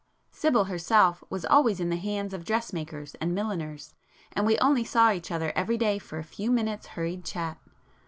Sibyl herself was always in the hands of dressmakers and milliners,—and we only saw each other every day for a few minutes' hurried chat.